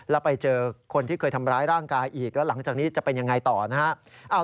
และหลังจากนี้จะเป็นอย่างไรต่อนะครับ